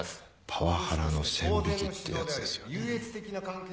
パワハラの線引きってやつですよね？